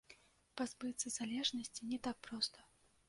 Пазбыцца залежнасці не так проста.